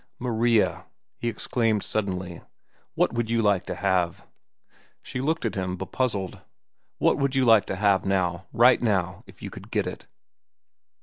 "Maria," he exclaimed suddenly. "What would you like to have?" She looked at him, bepuzzled. "What would you like to have now, right now, if you could get it?"